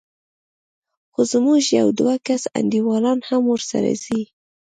خو زموږ يو دوه کسه انډيوالان هم ورسره ځي.